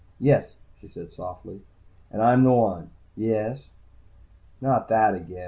"Yes," she said softly. "And I'm the one?" "Yes!" "Not that again!"